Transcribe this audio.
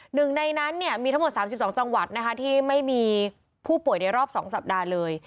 หนึ่งในนั้นเนี่ยมีทั้งหมดสามสิบสองจังหวัดนะคะที่ไม่มีผู้ป่วยในรอบสองสัปดาห์เลย